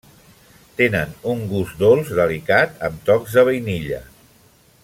Tenen un gust dolç delicat, amb tocs de vainilla.